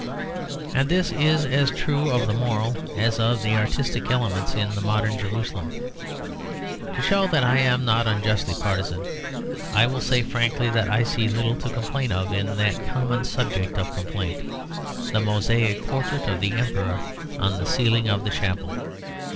And this is as true of the moral as of the artistic elements in the modern Jerusalem. To show that I am not unjustly partisan, I will say frankly that I see little to complain of in that common subject of complaint; the mosaic portrait of the Emperor on the ceiling of the chapel.